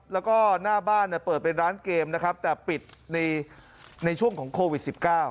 แล้วก็หน้าบ้านเปิดเป็นร้านเกมนะครับแต่ปิดในช่วงของโควิด๑๙